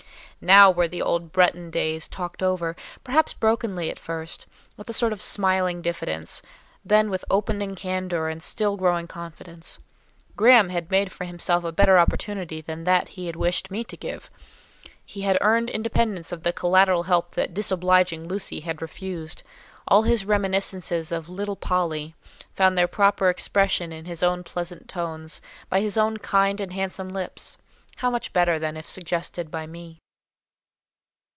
Now were the old Bretton days talked over; perhaps brokenly at first, with a sort of smiling diffidence, then with opening candour and still growing confidence. Graham had made for himself a better opportunity than that he had wished me to give; he had earned independence of the collateral help that disobliging Lucy had refused; all his reminiscences of "little Polly" found their proper expression in his own pleasant tones, by his own kind and handsome lips; how much better than if suggested by me.